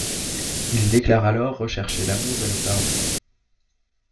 Il déclare alors rechercher l'amour et le pardon.